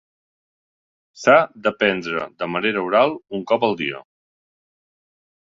S'ha de prendre de manera oral un cop al dia.